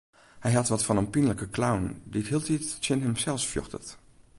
Hy hat wat fan in pynlike clown dy't hieltyd tsjin himsels fjochtet.